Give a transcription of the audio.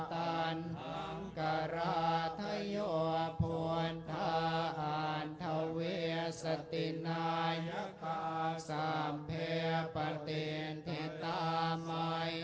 ทั้งกระทะโยพวนทะอานเท่าเวียสตินายสัมเพปตินทิตามัย